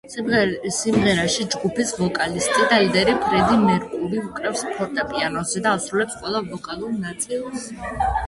სიმღერაში ჯგუფის ვოკალისტი და ლიდერი ფრედი მერკური უკრავს ფორტეპიანოზე და ასრულებს ყველა ვოკალურ ნაწილი.